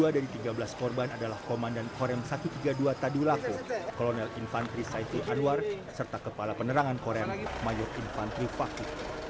dua dari tiga belas korban adalah komandan korem satu ratus tiga puluh dua tadulako kolonel infantri saiful anwar serta kepala penerangan korem mayor infantri fakih